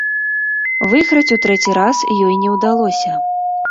Выйграць у трэці раз ёй не ўдалося.